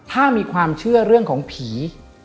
ถ้ามีความเชื่อเรื่องของผี